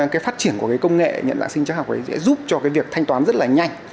cái phát triển của cái công nghệ nhận dạng sinh chắc học ấy sẽ giúp cho cái việc thanh toán rất là nhanh